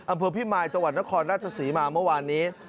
อำเภอพิมายจังหวัดนครราชศรีมาเมื่อวานนี้